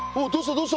どうした？